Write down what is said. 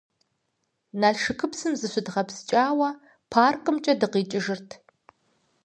Налшыкыпсым зыщыдгъэпскӀауэ паркымкӀэ дыкъикӀыжырт.